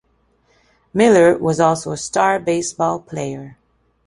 Miller was also a star baseball player.